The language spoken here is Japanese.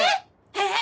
えっ？